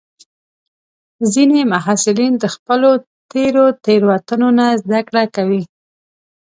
ځینې محصلین د خپلو تېرو تېروتنو نه زده کړه کوي.